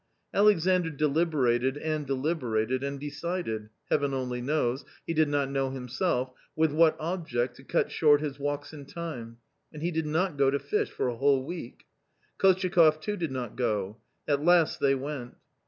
Alexandr deliberated and deliberated and decided — Heaven only knows — he did not know himself — with what object, to cut short his walks in time, and he did not go to fish for a whole week. Kostyakoff too did not go. At last they went.